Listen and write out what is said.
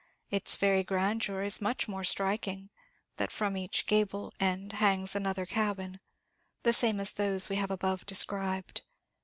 Its very grandeur is much more striking, that from each gable end hangs another cabin, the same as those we have above described.